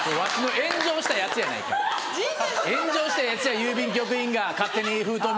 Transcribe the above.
炎上したやつや郵便局員が勝手に封筒見て。